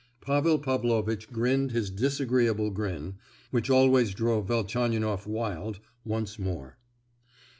Pavel Pavlovitch grinned his disagreeable grin (which always drove Velchaninoff wild) once more.